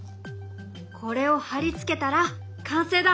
これを貼り付けたら完成だ！